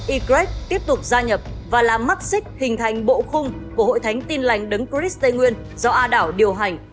ygrec tiếp tục gia nhập và làm mắt xích hình thành bộ khung của hội thánh tin lành đấng cris tây nguyên do a đảo điều hành